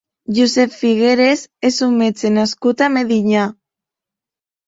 Josep Figueras és un metge nascut a Medinyà.